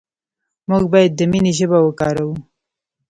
موږ باید د مینې ژبه وکاروو.